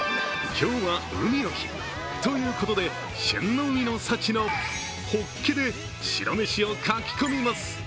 今日は海の日ということで、旬の海の幸のほっけで白めしをかき込みます。